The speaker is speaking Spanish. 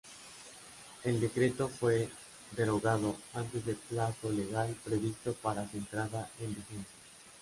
El decreto fue derogado antes del plazo legal previsto para su entrada en vigencia.